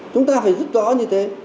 chúng ta phải giúp rõ như thế